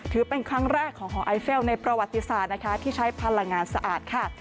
ถือเป็นครั้งแรกของหอไอเฟลในประวัติศาสตร์นะคะที่ใช้พลังงานสะอาดค่ะ